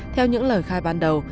theo những lời khai ban đầu